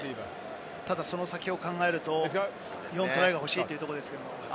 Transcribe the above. ただその先を考えると日本、トライが欲しいというところですが。